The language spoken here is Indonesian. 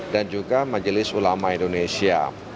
dan juga majelis ulama indonesia